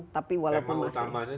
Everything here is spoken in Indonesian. tapi walaupun masih